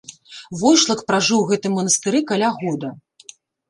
Войшалк пражыў у гэтым манастыры каля года.